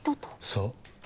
そう。